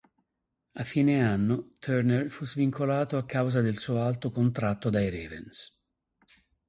A fine anno, Turner fu svincolato a causa del suo alto contratto dai Ravens.